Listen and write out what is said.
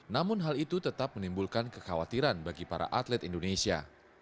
namun hal itu tetap menimbulkan kekhawatiran bagi para atlet indonesia